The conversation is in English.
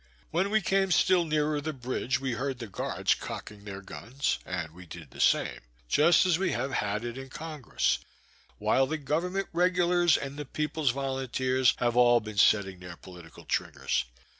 When we came still nearer the bridge we heard the guards cocking their guns, and we did the same; just as we have had it in Congress, while the "government" regulars and the people's volunteers have all been setting their political triggers.